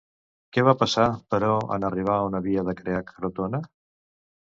Què va passar, però, en arribar on havia de crear Crotona?